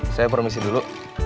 saya permisi dulu